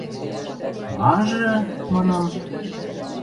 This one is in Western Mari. – Мажы? – манам.